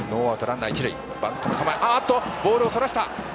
ボールをそらした。